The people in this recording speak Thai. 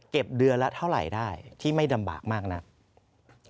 เดือนละเท่าไหร่ได้ที่ไม่ลำบากมากนัก